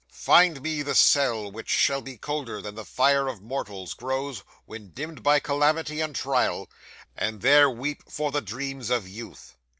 Find me the cell which shall be colder than the fire of mortals grows, when dimmed by calamity and trial, and there weep for the dreams of youth.